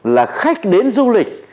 là khách đến du lịch